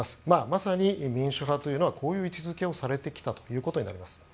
まさに民主派というのはこういう位置づけをされてきたということになります。